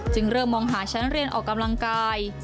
เริ่มมองหาชั้นเรียนออกกำลังกาย